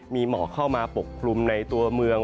มีหมอกเข้ามาปกคลุมในตัวเมือง